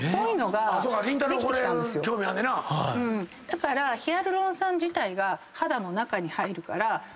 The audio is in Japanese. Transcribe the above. だからヒアルロン酸自体が肌の中に入るから。